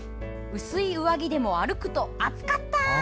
薄い上着でも歩くと暑かった！